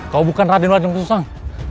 kau bukan raden raden susang